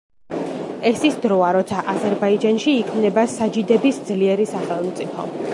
ეს ის დროა, როცა აზერბაიჯანში იქმნება საჯიდების ძლიერი სახელმწიფო.